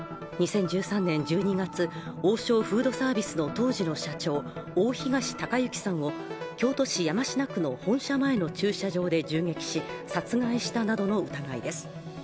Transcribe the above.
２０１３年１２月、王将フードサービスの当時の社長大東隆行さんを京都市山科区の本社前の駐車場で銃撃し、殺害したなどの疑いです。